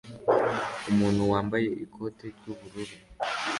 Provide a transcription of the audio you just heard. Umuntu wambaye ikoti ry'ubururu